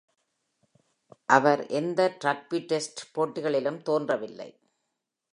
அவர் எந்த rugby test போட்டிகளிலும் தோன்றவில்லை.